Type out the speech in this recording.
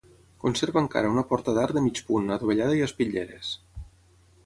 Conserva encara una porta d'arc de mig punt, adovellada, i espitlleres.